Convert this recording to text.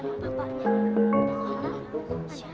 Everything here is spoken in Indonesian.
siapa yang nyariin anak bapaknya